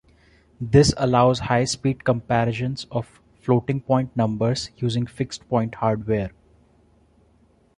This allows high speed comparisons of floating point numbers using fixed point hardware.